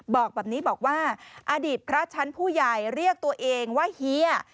บอกแบบนี้บอกว่าอดีตพระชั้นผู้ใหญ่เรียกตัวเองว่าเฮีย